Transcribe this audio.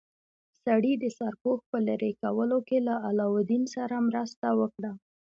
سړي د سرپوښ په لرې کولو کې له علاوالدین سره مرسته وکړه.